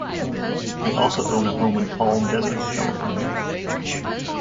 They also own a home in Palm Desert, California.